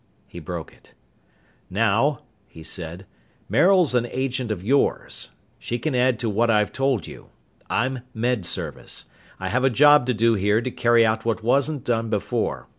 He broke it. "Now," he said, "Maril's an agent of yours. She can add to what I've told you. I'm Med Service. I have a job to do here to carry out what wasn't done before.